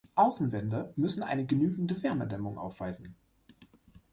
Außenwände müssen eine genügende Wärmedämmung aufweisen.